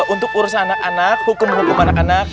untuk urusan anak anak hukum menghukum anak anak